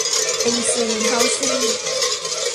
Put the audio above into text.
เอ็น ซี เฮ้าส์ซิ่ง